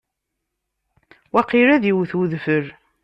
Waqil ad iwet udfel.